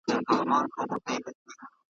عبدالحی حبيبي صيب داسې يو نابغه انسان دی